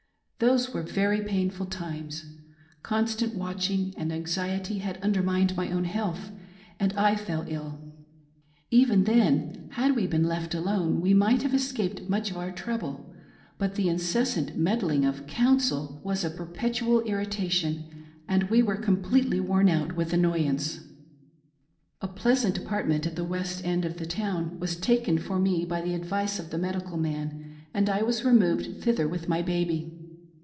Those were very pain ful times. Constant watching and anxiety had undermined my own health, and I fell ill. Even then, had we been left alone, we might have escaped much of our trouble, but the incessant meddling ^of "counsel" was a perpetual irritation, and we were completely worn out with annoyance. A pleasant apartment at the west end of the town was taken for me, by the advice of the" medical man, and I was removed thither with my baby.